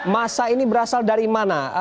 masa ini berasal dari mana